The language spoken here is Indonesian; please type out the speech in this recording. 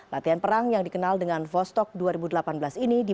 latihan perang yang dikenal dengan vostok dua ribu delapan belas ini